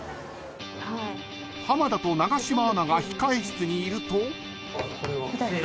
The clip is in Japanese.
［浜田と永島アナが控室にいると］